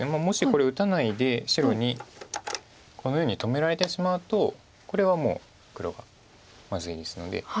もしこれ打たないで白にこのように止められてしまうとこれはもう黒がまずいですので。